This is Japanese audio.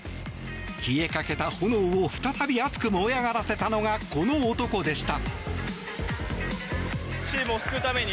消えかけた炎を再び熱く燃え上がらせたのがこの男でした。